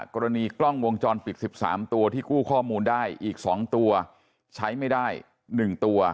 กรณีกล้องวงจรปิด๑๓ตัวที่กู้ข้อมูลได้อีก๒ตัวใช้ไม่ได้๑ตัว